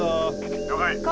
了解。